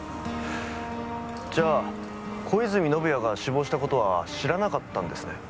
じゃあ小泉宣也が死亡した事は知らなかったんですね？